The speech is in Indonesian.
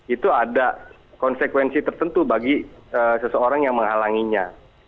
itu ada konsekuensi tertentu bagi seseorang yang menghalanginya